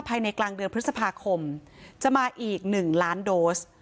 ภายในกลางเดือนพฤษภาคมจะมาอีก๑ล้านโดส